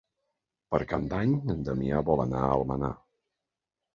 Per Cap d'Any en Damià vol anar a Almenar.